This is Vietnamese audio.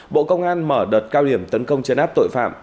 bộ công an mở đợt cao điểm tấn công chấn áp tội phạm